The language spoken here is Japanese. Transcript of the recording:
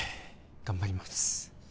頑張ります